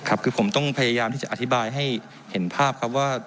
ครับคือผมต้องพยายามที่จะอธิบายให้เห็นภาพครับว่า